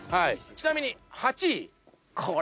ちなみに８位。